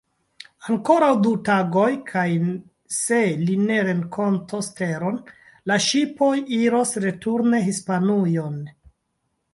Ankoraŭ du tagoj kaj, se li ne renkontos teron, la ŝipoj iros returne Hispanujon.